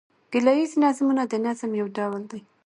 ګيله ييز نظمونه د نظم یو ډول دﺉ.